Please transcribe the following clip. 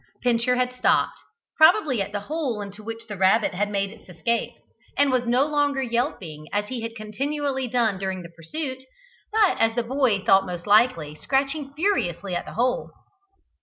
Pincher had stopped, probably at the hole into which the rabbit had made its escape, and was no longer yelping as he had continually done during the pursuit, but, as the boy thought most likely, scratching furiously at the hole.